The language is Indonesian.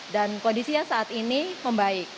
dan kondisinya saat ini membaik